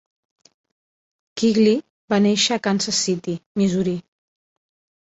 Quigley va néixer a Kansas City, Missouri.